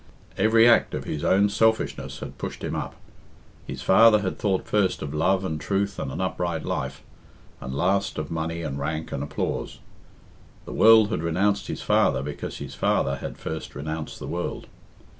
Every act of his own selfishness had pushed him up. His father had thought first of love and truth and an upright life, and last of money and rank and applause. The world had renounced his father because his father had first renounced the world.